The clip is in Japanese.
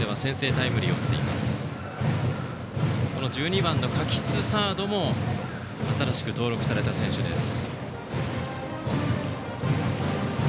サード、１２番の垣津も新しく登録された選手です。